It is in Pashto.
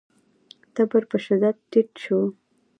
تبر په شدت ټيټ شو.